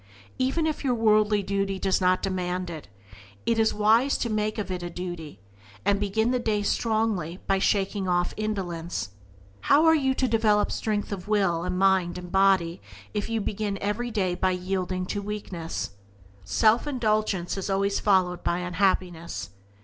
Even if your worldly duty does not demand it, it is wise to make of it a duty, and begin the day strongly by shaking off indolence. How are you to develop strength of will and mind and body if you begin every day by yielding to weakness? Self indulgence is always followed by unhappiness.